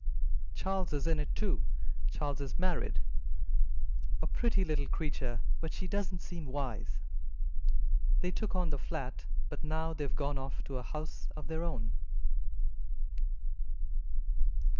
Charles is in it, too. Charles is married a pretty little creature, but she doesn't seem wise. They took on the flat, but now they have gone off to a house of their own."